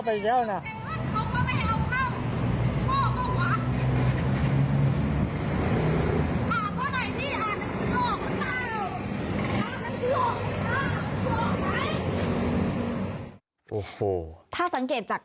กลับมาเล่าให้ฟังครับ